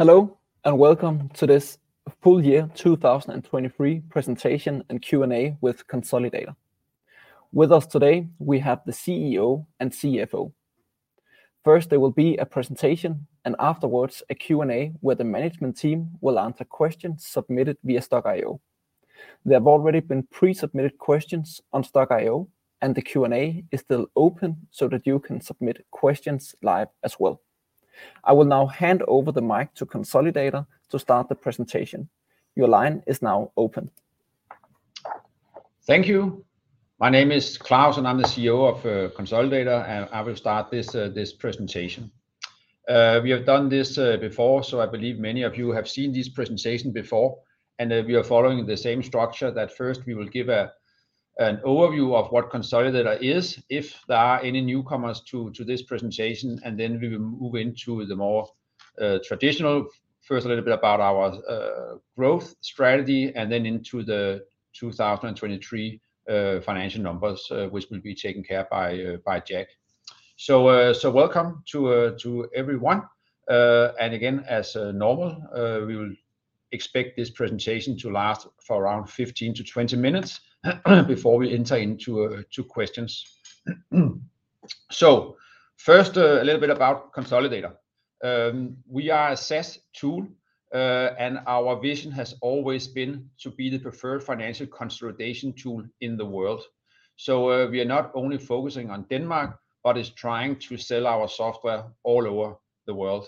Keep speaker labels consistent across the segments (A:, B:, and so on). A: Hello and welcome to this full year 2023 presentation and Q&A with Konsolidator. With us today we have the CEO and CFO. First there will be a presentation and afterwards a Q&A where the management team will answer questions submitted via Stokk.io. There have already been pre-submitted questions on Stokk.io and the Q&A is still open so that you can submit questions live as well. I will now hand over the mic to Konsolidator to start the presentation. Your line is now open.
B: Thank you. My name is Claus and I'm the CEO of Konsolidator and I will start this presentation. We have done this before so I believe many of you have seen this presentation before and we are following the same structure that first we will give an overview of what Konsolidator is if there are any newcomers to this presentation and then we will move into the more traditional first a little bit about our growth strategy and then into the 2023 financial numbers which will be taken care of by Jack. So welcome to everyone and again as normal we will expect this presentation to last for around 15-20 minutes before we enter into questions. So first a little bit about Konsolidator. We are a SaaS tool and our vision has always been to be the preferred financial consolidation tool in the world. So, we are not only focusing on Denmark but is trying to sell our software all over the world,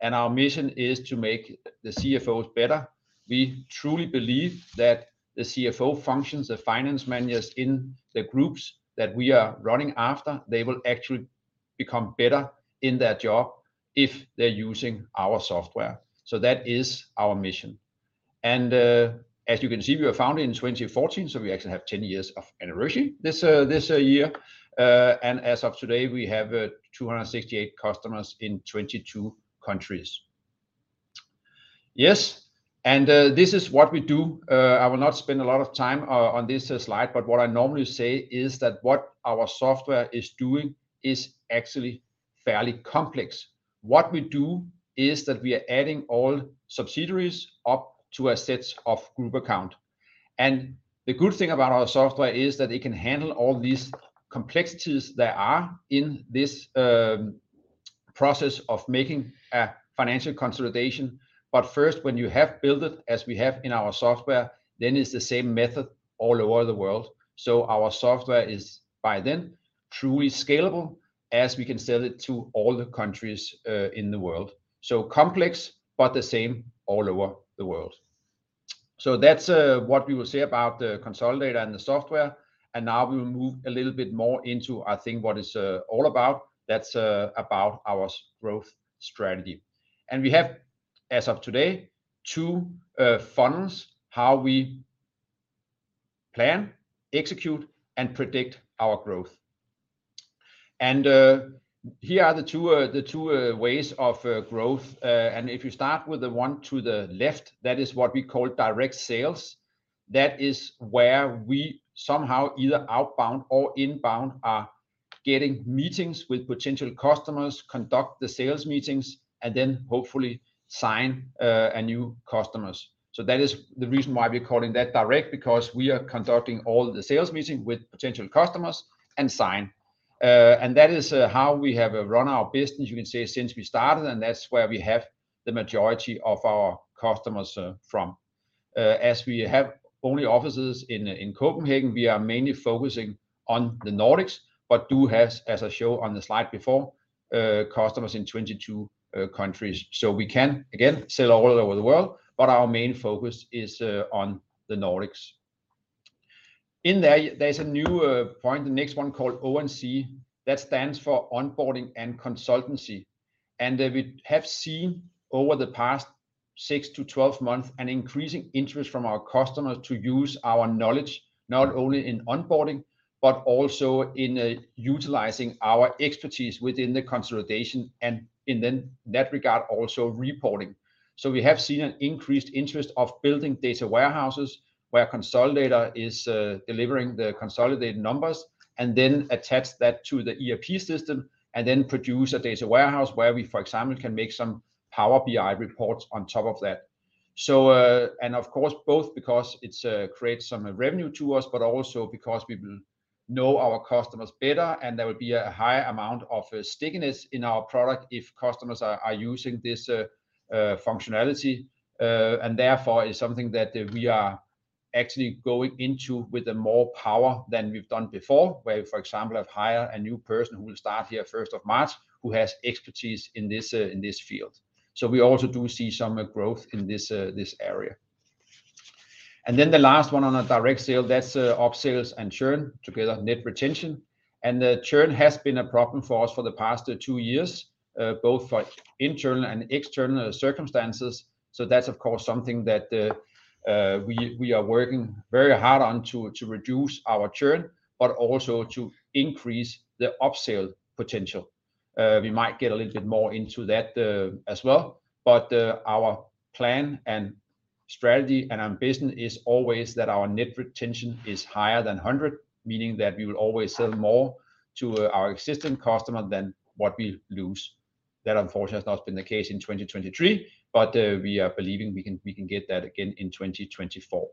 B: and our mission is to make the CFOs better. We truly believe that the CFO functions the finance managers in the groups that we are running after they will actually become better in their job if they're using our software. So that is our mission. As you can see, we were founded in 2014, so we actually have 10 years of anniversary this year, and as of today we have 268 customers in 22 countries. Yes, and this is what we do. I will not spend a lot of time on this slide, but what I normally say is that what our software is doing is actually fairly complex. What we do is that we are adding all subsidiaries up to a set of group accounts, and the good thing about our software is that it can handle all these complexities that are in this process of making a financial consolidation. But first, when you have built it as we have in our software, then it's the same method all over the world. So our software is by then truly scalable as we can sell it to all the countries in the world. So complex but the same all over the world. So that's what we will say about the Konsolidator and the software, and now we will move a little bit more into, I think, what it's all about. That's about our growth strategy. We have as of today two funnels how we plan, execute, and predict our growth. Here are the two ways of growth, and if you start with the one to the left, that is what we call direct sales. That is where we somehow either outbound or inbound are getting meetings with potential customers, conduct the sales meetings, and then hopefully sign a new customers. That is the reason why we're calling that direct because we are conducting all the sales meeting with potential customers and sign. That is how we have run our business, you can say, since we started, and that's where we have the majority of our customers from. As we have only offices in Copenhagen, we are mainly focusing on the Nordics but do have, as I show on the slide before, customers in 22 countries. We can again sell all over the world, but our main focus is on the Nordics. In there, there's a new point, the next one called ONC that stands for onboarding and consultancy, and we have seen over the past six-12 months an increasing interest from our customers to use our knowledge not only in onboarding but also in utilizing our expertise within the consolidation and, in that regard, also reporting. So we have seen an increased interest in building data warehouses where Konsolidator is delivering the consolidated numbers and then attach that to the ERP system and then produce a data warehouse where we, for example, can make some Power BI reports on top of that. And of course both because it creates some revenue to us but also because we will know our customers better and there will be a higher amount of stickiness in our product if customers are using this functionality and therefore is something that we are actually going into with more power than we've done before where we for example have hired a new person who will start here 1st of March who has expertise in this field. So we also do see some growth in this area. And then the last one on a direct sale that's upsells and churn together net retention and churn has been a problem for us for the past two years both for internal and external circumstances. So that's of course something that we are working very hard on to reduce our churn but also to increase the upsell potential. We might get a little bit more into that as well, but our plan and strategy and ambition is always that our Net Retention is higher than 100, meaning that we will always sell more to our existing customer than what we lose. That unfortunately has not been the case in 2023, but we are believing we can get that again in 2024.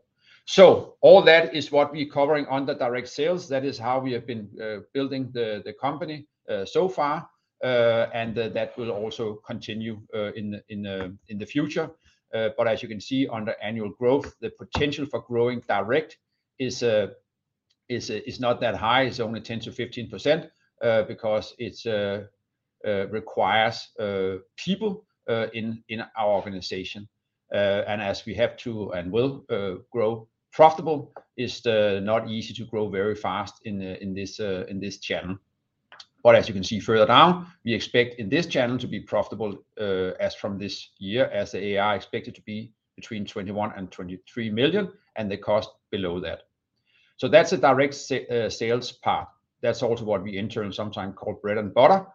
B: So all that is what we're covering under direct sales. That is how we have been building the company so far, and that will also continue in the future. But as you can see under annual growth, the potential for growing direct is not that high. It's only 10%-15% because it requires people in our organization, and as we have to and will grow profitable, it's not easy to grow very fast in this channel. But as you can see further down, we expect in this channel to be profitable as from this year as the ARR expected to be between 21 million and 23 million and the cost below that. So that's a direct sales part. That's also what we internally sometimes call bread and butter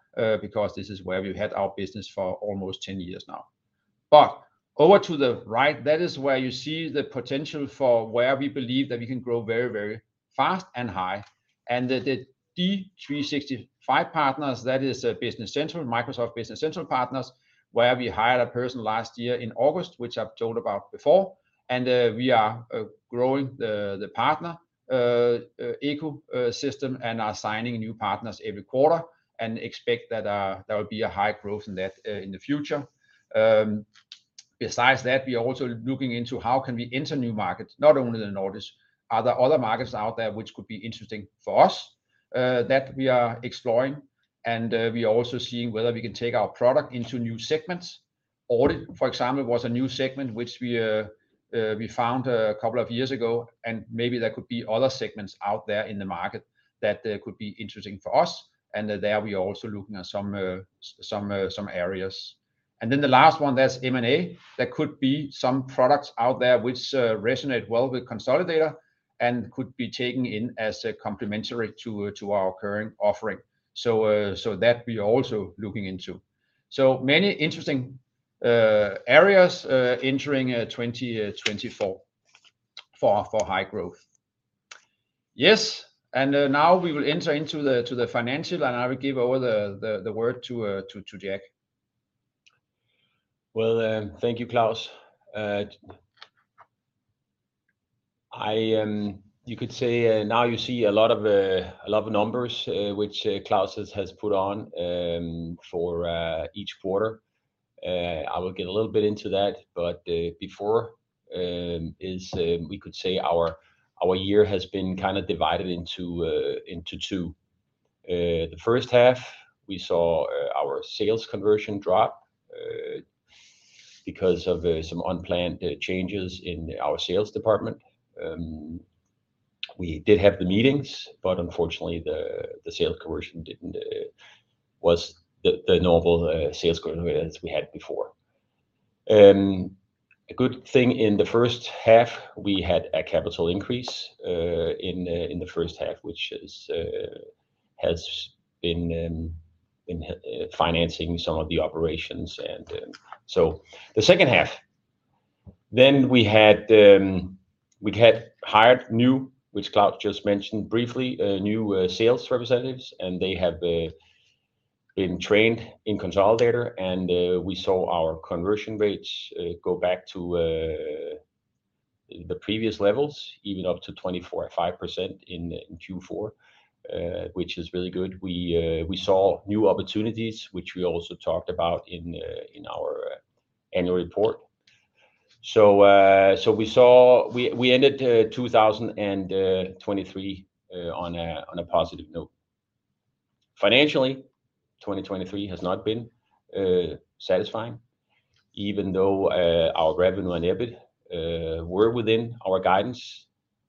B: because this is where we've had our business for almost 10 years now. But over to the right, that is where you see the potential for where we believe that we can grow very fast and high and the D365 partners, that is Business Central Microsoft Business Central partners, where we hired a person last year in August which I've told about before and we are growing the partner ecosystem and are signing new partners every quarter and expect that there will be a high growth in that in the future. Besides that, we are also looking into how we can enter new markets. Not only the Nordics, are there other markets out there which could be interesting for us that we are exploring, and we are also seeing whether we can take our product into new segments. Audit, for example, was a new segment which we found a couple of years ago, and maybe there could be other segments out there in the market that could be interesting for us, and there we are also looking at some areas. And then the last one, that's M&A. There could be some products out there which resonate well with Konsolidator and could be taken in as complementary to our current offering. So that we are also looking into. So many interesting areas entering 2024 for high growth. Yes, and now we will enter into the financial and I will give over the word to Jack.
C: Well, thank you, Claus. You could say now you see a lot of numbers which Claus has put on for each quarter. I will get a little bit into that but before is we could say our year has been kind of divided into two. The first half we saw our sales conversion drop because of some unplanned changes in our sales department. We did have the meetings but unfortunately the sales conversion was the normal sales conversion as we had before. A good thing in the first half we had a capital increase in the first half which has been financing some of the operations and so the second half then we had hired new which Claus just mentioned briefly new sales representatives and they have been trained in Konsolidator and we saw our conversion rates go back to the previous levels even up to 24.5% in Q4 which is really good. We saw new opportunities which we also talked about in our annual report. So we ended 2023 on a positive note. Financially 2023 has not been satisfying even though our revenue and EBIT were within our guidance.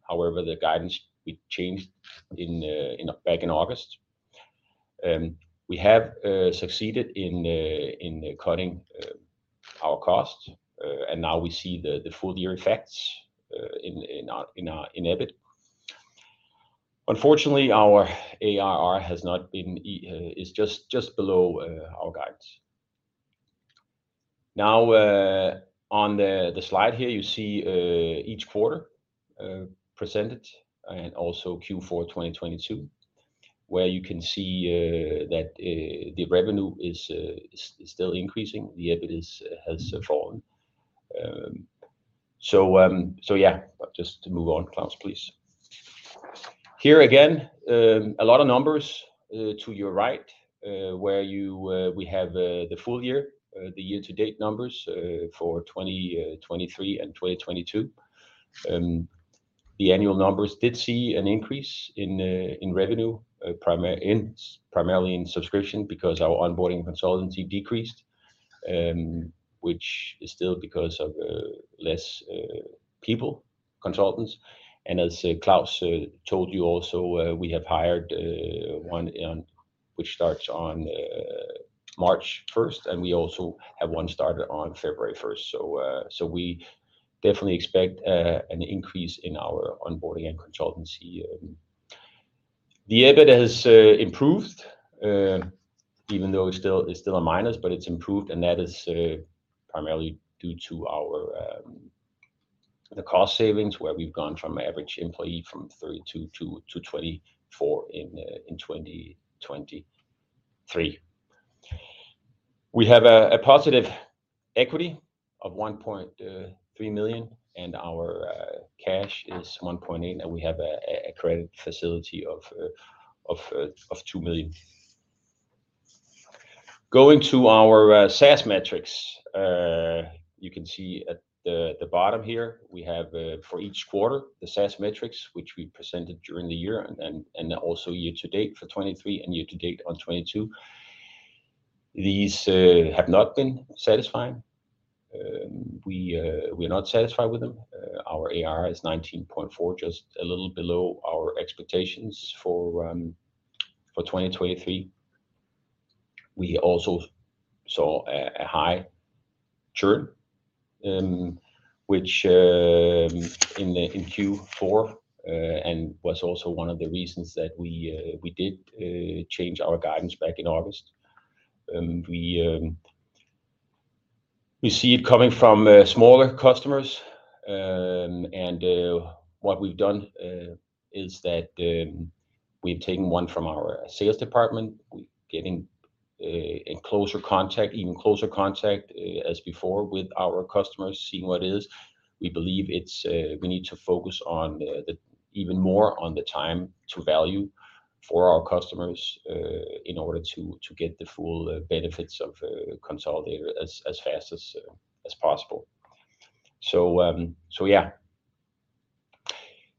C: However the guidance we changed back in August we have succeeded in cutting our costs and now we see the full year effects in our EBIT. Unfortunately our ARR has not been. It's just below our guidance. Now on the slide here you see each quarter presented and also Q4 2022 where you can see that the revenue is still increasing. The EBIT has fallen. So yeah just to move on Claus please. Here again a lot of numbers to your right where we have the full year, the year-to-date numbers for 2023 and 2022. The annual numbers did see an increase in revenue primarily in subscription because our onboarding consultancy decreased which is still because of less people consultants. And as Claus told you also we have hired one which starts on March 1st and we also have one started on February 1st. So we definitely expect an increase in our onboarding and consultancy. The EBIT has improved even though it's still a minus but it's improved and that is primarily due to the cost savings where we've gone from average employee from 32 to 24 in 2023. We have a positive equity of 1.3 million and our cash is 1.8 million and we have a credit facility of 2 million. Going to our SaaS metrics you can see at the bottom here we have for each quarter the SaaS metrics which we presented during the year and also year-to-date for 2023 and year-to-date on 2022. These have not been satisfying. We are not satisfied with them. Our ARR is 19.4 million just a little below our expectations for 2023. We also saw a high churn which in Q4 and was also one of the reasons that we did change our guidance back in August. We see it coming from smaller customers, and what we've done is that we've taken one from our sales department getting in closer contact even closer contact as before with our customers seeing what it is. We believe it's we need to focus on even more on the time to value for our customers in order to get the full benefits of Konsolidator as fast as possible. So yeah,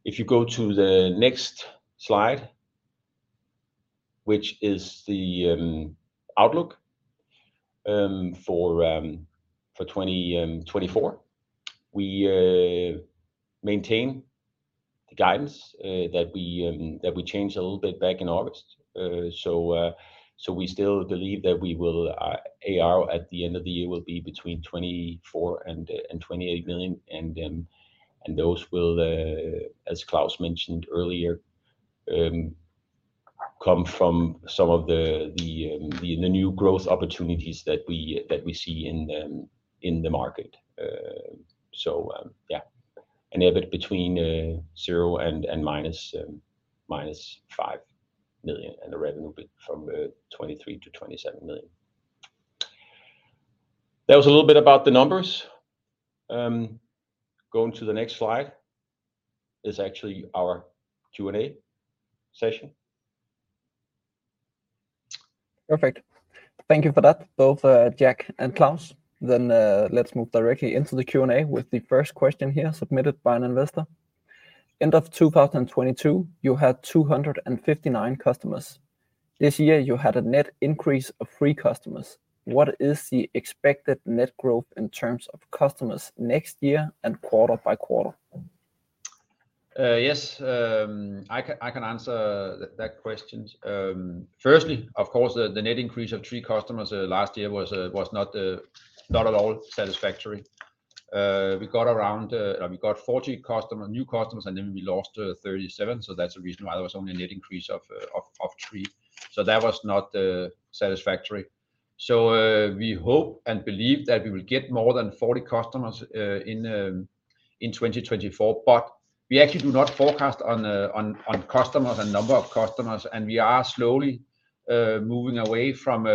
C: if you go to the next slide, which is the outlook for 2024, we maintain the guidance that we changed a little bit back in August. So we still believe that we will ARR at the end of the year will be between 24 million and 28 million, and those will as Claus mentioned earlier come from some of the new growth opportunities that we see in the market. So yeah an EBIT between 0 and -5 million and a revenue from 23-27 million. That was a little bit about the numbers. Going to the next slide is actually our Q&A session.
A: Perfect. Thank you for that both Jack and Claus. Then let's move directly into the Q&A with the first question here submitted by an investor. End of 2022 you had 259 customers. This year you had a net increase of three customers. What is the expected net growth in terms of customers next year and quarter-by-quarter?
B: Yes, I can answer that question. Firstly, of course, the net increase of three customers last year was not at all satisfactory. We got around 40 new customers and then we lost 37, so that's the reason why there was only a net increase of 3. So that was not satisfactory. So we hope and believe that we will get more than 40 customers in 2024, but we actually do not forecast on customers and number of customers, and we are slowly moving away from,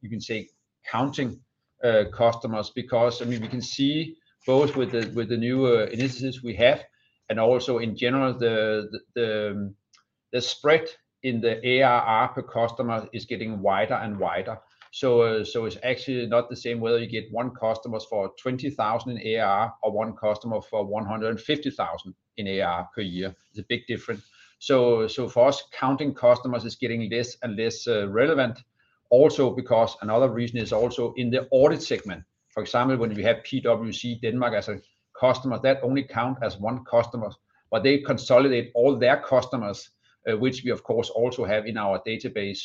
B: you can say, counting customers because I mean we can see both with the new initiatives we have and also in general the spread in the ARR per customer is getting wider and wider. So it's actually not the same whether you get one customer for 20,000 in ARR or one customer for 150,000 in ARR per year. It's a big difference. So for us counting customers is getting less and less relevant also because another reason is also in the audit segment. For example when we have PwC Denmark as a customer that only count as one customer but they consolidate all their customers which we of course also have in our database.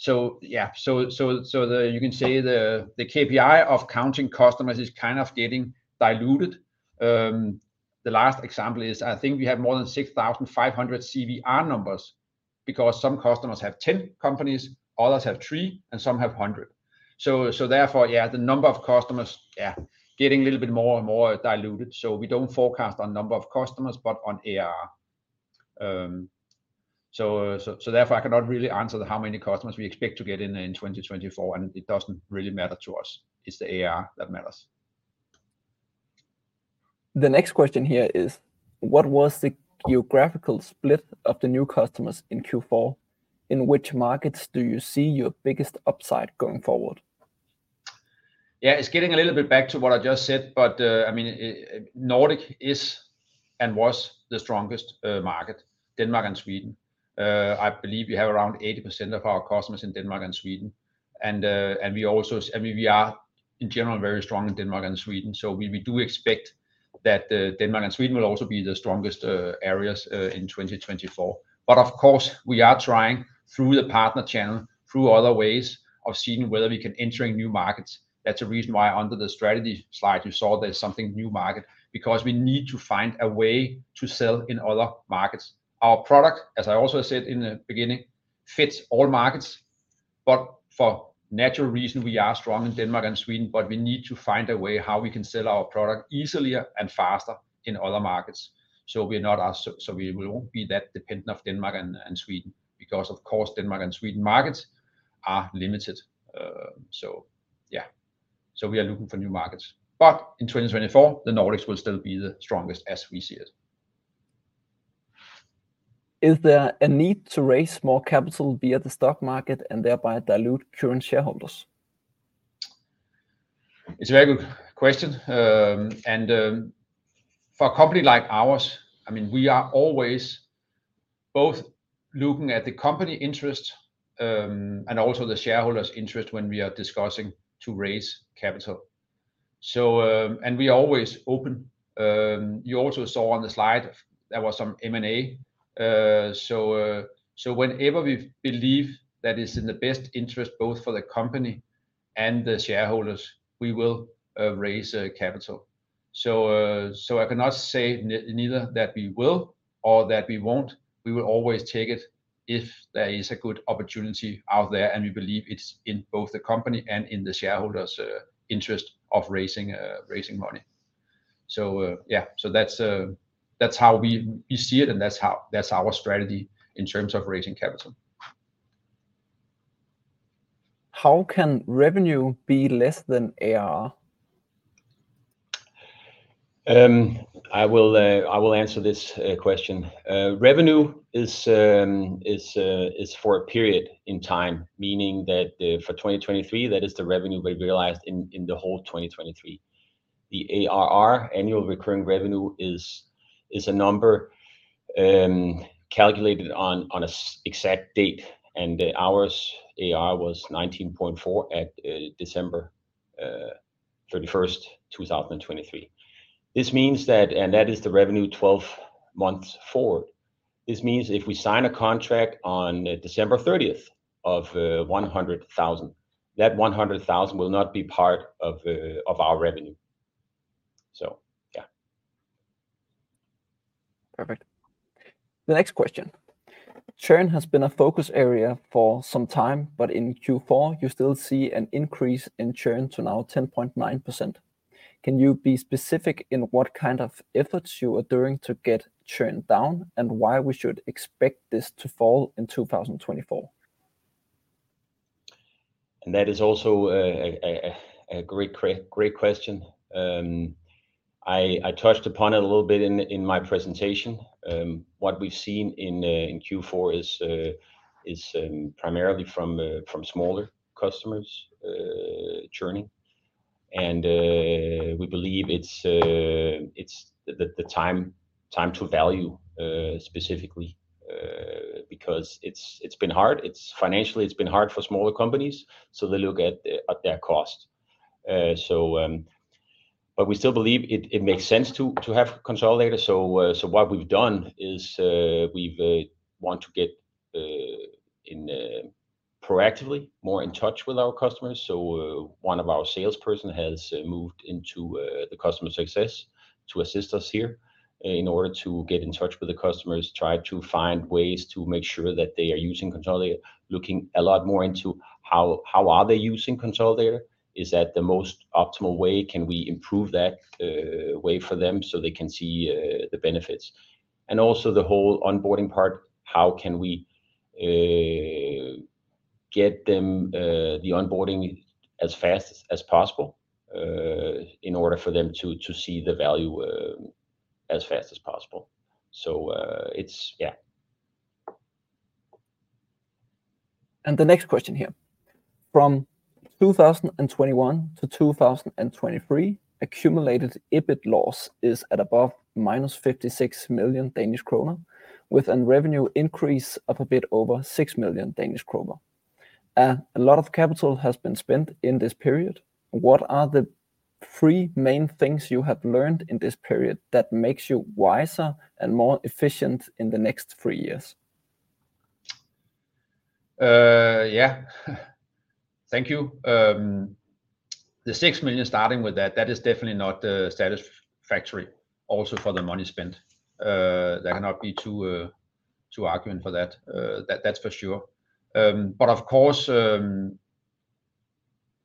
B: So yeah so you can say the KPI of counting customers is kind of getting diluted. The last example is I think we have more than 6,500 CVR numbers because some customers have 10 companies others have three and some have 100. So therefore yeah the number of customers yeah getting a little bit more and more diluted. So we don't forecast on number of customers but on ARR. So therefore I cannot really answer how many customers we expect to get in 2024 and it doesn't really matter to us. It's the ARR that matters.
A: The next question here is what was the geographical split of the new customers in Q4? In which markets do you see your biggest upside going forward?
B: Yeah, it's getting a little bit back to what I just said, but I mean Nordics is and was the strongest market, Denmark and Sweden. I believe we have around 80% of our customers in Denmark and Sweden, and we also, I mean, we are in general very strong in Denmark and Sweden, so we do expect that Denmark and Sweden will also be the strongest areas in 2024. But of course we are trying through the partner channel, through other ways of seeing whether we can enter in new markets. That's the reason why under the strategy slide you saw there's something new market because we need to find a way to sell in other markets. Our product, as I also said in the beginning, fits all markets, but for natural reason we are strong in Denmark and Sweden, but we need to find a way how we can sell our product easier and faster in other markets so we are not so we will not be that dependent of Denmark and Sweden because of course Denmark and Sweden markets are limited. So yeah so we are looking for new markets, but in 2024 the Nordics will still be the strongest as we see it.
A: Is there a need to raise more capital via the stock market and thereby dilute current shareholders?
B: It's a very good question, and for a company like ours, I mean, we are always both looking at the company's interest and also the shareholders' interest when we are discussing to raise capital. We are always open. You also saw on the slide there was some M&A, so whenever we believe that it's in the best interest both for the company and the shareholders, we will raise capital. So I cannot say neither that we will or that we won't. We will always take it if there is a good opportunity out there and we believe it's in both the company and in the shareholders' interest of raising money. So yeah, so that's how we see it, and that's our strategy in terms of raising capital.
A: How can revenue be less than ARR?
C: I will answer this question. Revenue is for a period in time, meaning that for 2023 that is the revenue we realized in the whole 2023. The ARR annual recurring revenue is a number calculated on an exact date, and ours ARR was 19.4 at December 31st 2023. This means that, and that is the revenue 12 months forward. This means if we sign a contract on December 30th of 100,000 that 100,000 will not be part of our revenue. So yeah.
A: Perfect. The next question. Churn has been a focus area for some time but in Q4 you still see an increase in churn to now 10.9%. Can you be specific in what kind of efforts you are doing to get churn down and why we should expect this to fall in 2024?
B: That is also a great question. I touched upon it a little bit in my presentation. What we've seen in Q4 is primarily from smaller customers churning and we believe it's the time to value specifically because it's been hard. Financially it's been hard for smaller companies so they look at their cost. But we still believe it makes sense to have Konsolidator. So what we've done is we've want to get proactively more in touch with our customers. So one of our salesperson has moved into the customer success to assist us here in order to get in touch with the customers, try to find ways to make sure that they are using Konsolidator, looking a lot more into how are they using Konsolidator, is that the most optimal way, can we improve that way for them so they can see the benefits. And also the whole onboarding part, how can we get them the onboarding as fast as possible in order for them to see the value as fast as possible. So yeah.
A: The next question here. From 2021 to 2023 accumulated EBIT loss is at above -56 million Danish kroner with an revenue increase of a bit over 6 million Danish kroner. A lot of capital has been spent in this period. What are the three main things you have learned in this period that makes you wiser and more efficient in the next three years?
B: Yeah, thank you. The 6 million, starting with that, that is definitely not satisfactory also for the money spent. There cannot be two arguments for that. That's for sure. But of course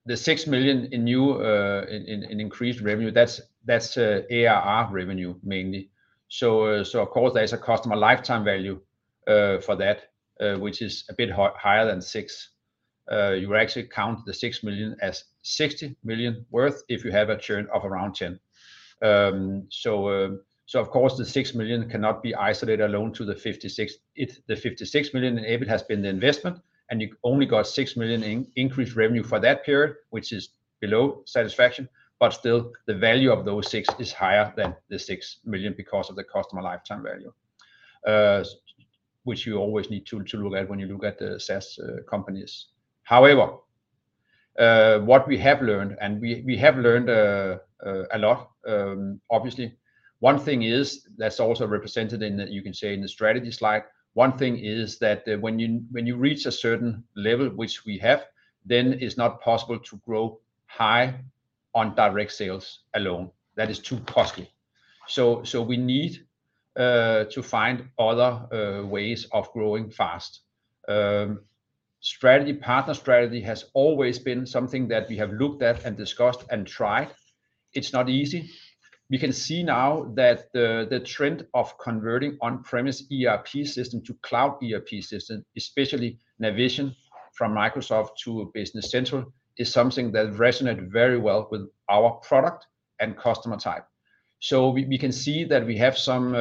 B: the 6 million in new in increased revenue, that's ARR revenue mainly. So of course there is a customer lifetime value for that which is a bit higher than 6. You actually count the 6 million as 60 million worth if you have a churn of around 10. So of course the 6 million cannot be isolated alone to the 56. The 56 million in EBIT has been the investment and you only got 6 million increased revenue for that period which is below satisfaction but still the value of those 6 is higher than the 6 million because of the customer lifetime value which you always need to look at when you look at the SaaS companies. However, what we have learned and we have learned a lot, obviously, one thing is that's also represented in, you can say, in the strategy slide: one thing is that when you reach a certain level which we have, then it's not possible to grow high on direct sales alone. That is too costly. So we need to find other ways of growing fast. Partner strategy has always been something that we have looked at and discussed and tried. It's not easy. We can see now that the trend of converting on-premise ERP system to cloud ERP system especially Navision from Microsoft to Business Central is something that resonated very well with our product and customer type. So we can see that we have some,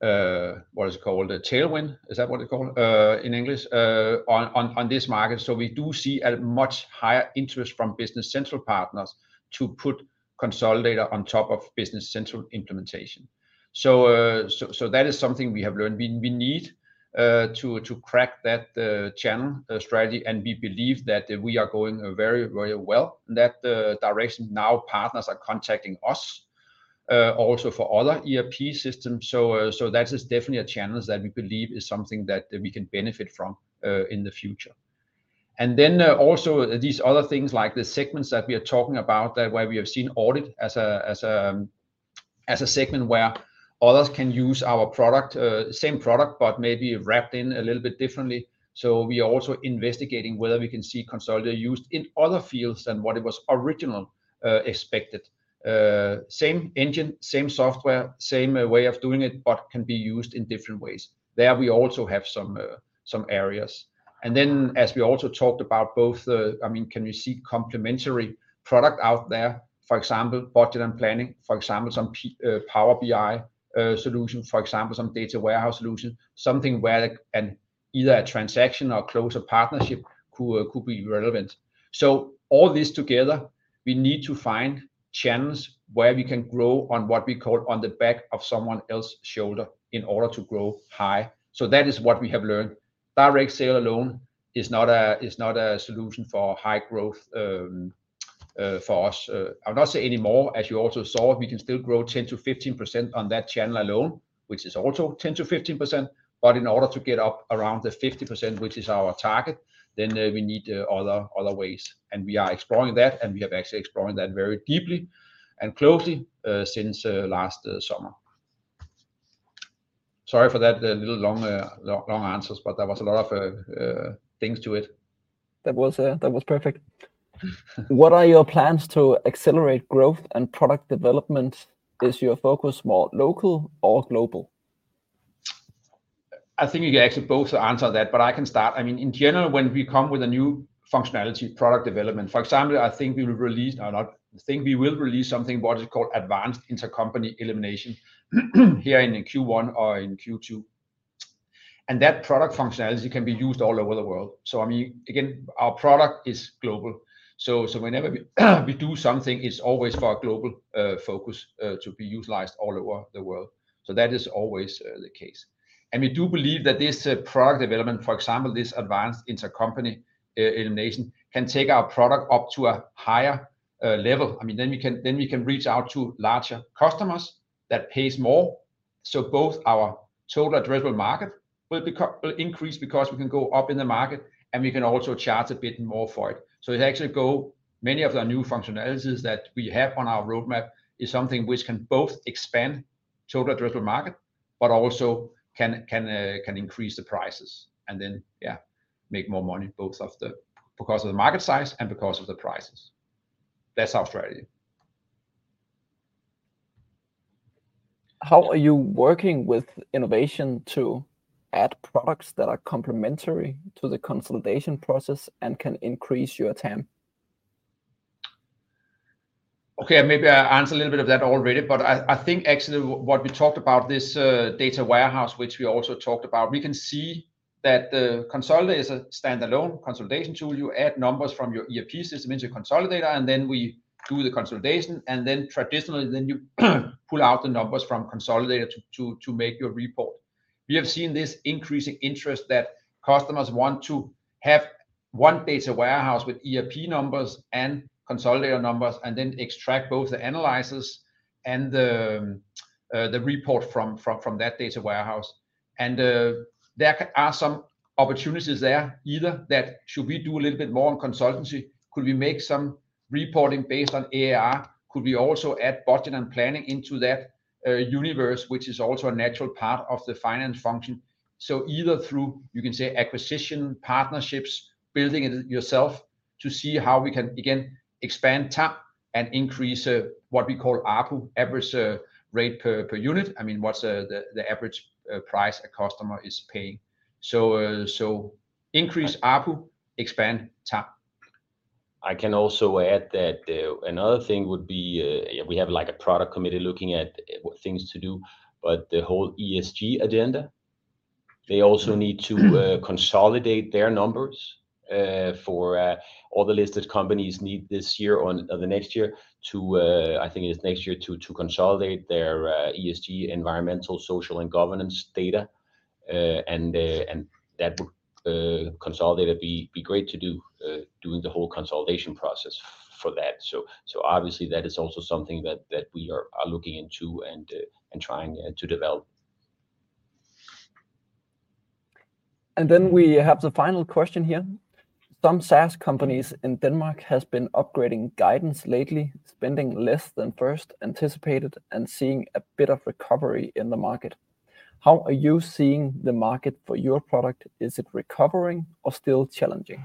B: what is it called, tailwind. Is that what it's called in English on this market. We do see a much higher interest from Business Central partners to put Konsolidator on top of Business Central implementation. That is something we have learned. We need to crack that channel strategy and we believe that we are going very well in that direction. Now partners are contacting us also for other ERP systems. That is definitely a challenge that we believe is something that we can benefit from in the future. Then also these other things like the segments that we are talking about where we have seen audit as a segment where others can use our product same product but maybe wrapped in a little bit differently. We are also investigating whether we can see Konsolidator used in other fields than what it was originally expected. Same engine, same software, same way of doing it but can be used in different ways. There we also have some areas. And then, as we also talked about both, I mean, can you see complementary product out there, for example, budget and planning, for example, some Power BI solution, for example, some data warehouse solution, something where either a transaction or close a partnership could be relevant. So all this together, we need to find channels where we can grow on what we call on the back of someone else's shoulder in order to grow high. So that is what we have learned. Direct sale alone is not a solution for high growth for us. I would not say anymore, as you also saw, we can still grow 10%-15% on that channel alone, which is also 10%-15%, but in order to get up around the 50%, which is our target, then we need other ways. We are exploring that and we have actually explored that very deeply and closely since last summer. Sorry for that little long answers but there was a lot of things to it.
A: That was perfect. What are your plans to accelerate growth and product development? Is your focus more local or global?
B: I think you can actually both answer that, but I can start. I mean, in general, when we come with a new functionality, product development for example, I think we will release—or not, I think we will release—something what is called Advanced Intercompany Elimination here in Q1 or in Q2. And that product functionality can be used all over the world. So I mean, again, our product is global. So whenever we do something, it's always for a global focus to be utilized all over the world. So that is always the case. And we do believe that this product development, for example, this Advanced Intercompany Elimination, can take our product up to a higher level. I mean, then we can reach out to larger customers that pays more, so both our total addressable market will increase because we can go up in the market and we can also charge a bit more for it. So it actually go many of the new functionalities that we have on our roadmap is something which can both expand total addressable market but also can increase the prices and then yeah make more money both because of the market size and because of the prices. That's our strategy.
A: How are you working with innovation to add products that are complementary to the consolidation process and can increase your TAM?
B: Okay, maybe I answered a little bit of that already, but I think actually what we talked about, this data warehouse which we also talked about, we can see that Konsolidator is a standalone consolidation tool. You add numbers from your ERP system into Konsolidator and then we do the consolidation and then traditionally then you pull out the numbers from Konsolidator to make your report. We have seen this increasing interest that customers want to have one data warehouse with ERP numbers and Konsolidator numbers and then extract both the analysis and the report from that data warehouse. There are some opportunities there either that should we do a little bit more on consultancy, could we make some reporting based on ARR, could we also add budget and planning into that universe which is also a natural part of the finance function. So, either through, you can say, acquisition, partnerships, building it yourself, to see how we can again expand TAM and increase what we call ARPU, average rate per unit. I mean, what's the average price a customer is paying. So, increase ARPU, expand TAM.
C: I can also add that another thing would be we have a product committee looking at things to do, but the whole ESG agenda—they also need to consolidate their numbers for all the listed companies need this year or the next year to—I think it's next year—to consolidate their ESG (Environmental, Social, and Governance) data. And that would Konsolidator be great to do doing the whole consolidation process for that. So obviously that is also something that we are looking into and trying to develop.
A: Then we have the final question here. Some SaaS companies in Denmark has been upgrading guidance lately spending less than first anticipated and seeing a bit of recovery in the market. How are you seeing the market for your product? Is it recovering or still challenging?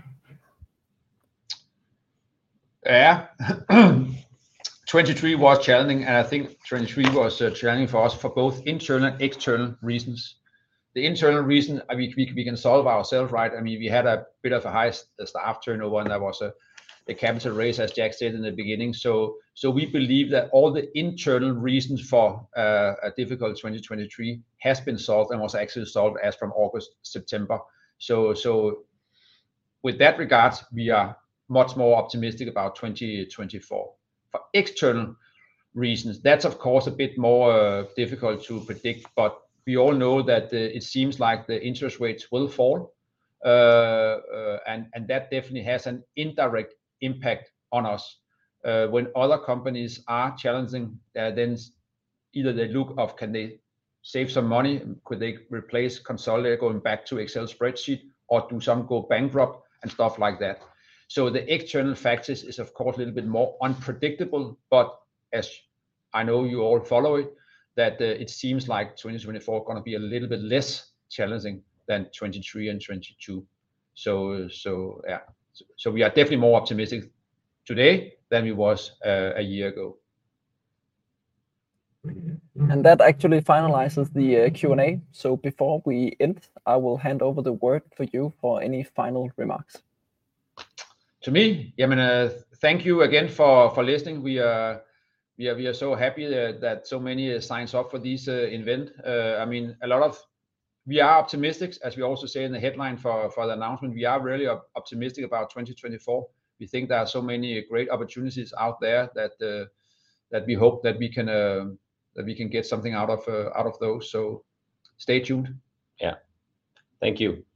B: Yeah, 2023 was challenging, and I think 2023 was challenging for us for both internal and external reasons. The internal reason we can solve ourselves, right? I mean, we had a bit of a high staff turnover, and there was a capital raise as Jack said in the beginning. So we believe that all the internal reasons for a difficult 2023 has been solved and was actually solved as from August September. So with that regard we are much more optimistic about 2024. For external reasons that's of course a bit more difficult to predict, but we all know that it seems like the interest rates will fall and that definitely has an indirect impact on us. When other companies are challenging then either they look of can they save some money could they replace Konsolidator going back to Excel spreadsheet or do some go bankrupt and stuff like that. The external factors is of course a little bit more unpredictable, but as I know you all follow it that it seems like 2024 is going to be a little bit less challenging than 2023 and 2022. So yeah, we are definitely more optimistic today than we was a year ago.
A: That actually finalizes the Q&A. Before we end I will hand over the word for you for any final remarks.
B: To me, I mean, thank you again for listening. We are so happy that so many signs up for this event. I mean, a lot of we are optimists as we also say in the headline for the announcement. We are really optimistic about 2024. We think there are so many great opportunities out there that we hope that we can get something out of those. So stay tuned.
C: Yeah, thank you.